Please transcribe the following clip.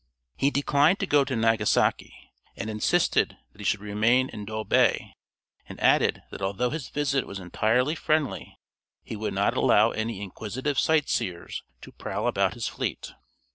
He declined to go to Nagasaki, and insisted that he should remain in Yedo Bay, and added that although his visit was entirely friendly, he would not allow any inquisitive sightseers to prowl about his fleet.